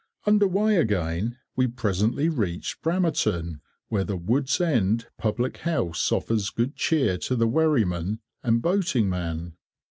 Under way again, we presently reached Bramerton, where the "Wood's End" public house offers good cheer to the wherryman and boating man.